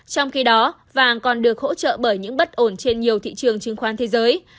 trong khi đó vàng còn được hỗ trợ bởi những bất ổn trên nhiều thị trường chứng khoán thế giới